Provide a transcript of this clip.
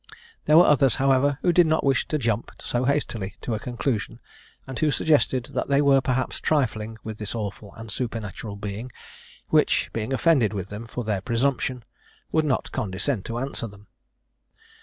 There were others, however, who did not wish to jump so hastily to a conclusion, and who suggested that they were, perhaps, trifling with this awful and supernatural being, which, being offended with them for their presumption, would not condescend to answer them.